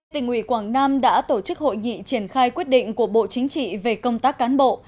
tỉnh ủy quảng nam đã tổ chức hội nghị triển khai quyết định của bộ chính trị về công tác cán bộ